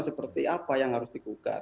seperti apa yang harus digugat